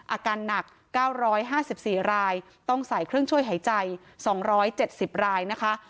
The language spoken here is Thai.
อาการหนัก๙๕๔รายต้องใส่เครื่องช่วยหายใจ๒๗๐รายนะคะ